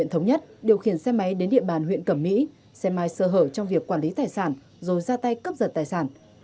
lộc điều khiển xe máy đến địa bàn huyện cẩm mỹ xe máy sơ hở trong việc quản lý tài sản rồi ra tay cướp giật tài sản